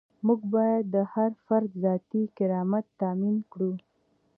موږ باید د هر فرد ذاتي کرامت تامین کړو.